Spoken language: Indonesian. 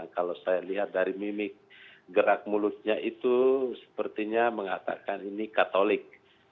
kalau saya lihat dari mimik gerak mulutnya itu sepertinya mengatakan ini katolik